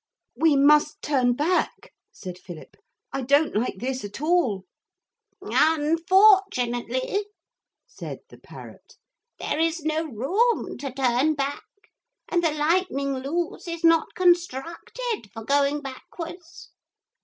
'We must turn back,' said Philip. 'I don't like this at all.' 'Unfortunately,' said the parrot, 'there is no room to turn back, and the Lightning Loose is not constructed for going backwards.'